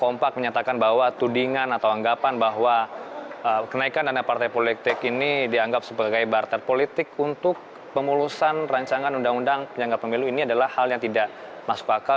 kompak menyatakan bahwa tudingan atau anggapan bahwa kenaikan dana partai politik ini dianggap sebagai barter politik untuk pemulusan rancangan undang undang penyangga pemilu ini adalah hal yang tidak masuk akal